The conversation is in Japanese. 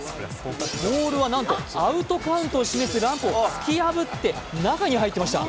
ボールはなんとアウトカウントを示すランプを突き破って中に入っていました。